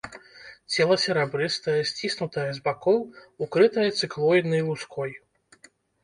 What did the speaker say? Цела серабрыстае, сціснутае з бакоў, укрытае цыклоіднай луской.